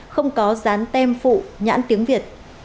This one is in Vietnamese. không có dán tem phụ nhãn tiếng việt